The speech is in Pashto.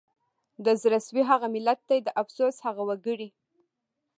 د زړه سوي هغه ملت دی د افسوس هغه وګړي